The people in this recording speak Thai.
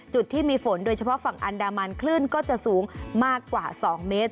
จุดที่มีฝนโดยเฉพาะฝั่งอันดามันคลื่นก็จะสูงมากกว่า๒เมตร